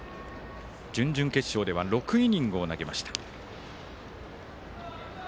準々決勝では６イニングを投げました。